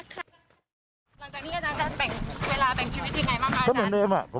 ก่อนจากนี้อาจารย์จะแบ่งเวลาแบ่งชีวิตอย่างไรมากมาย